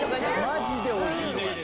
マジでおいしい。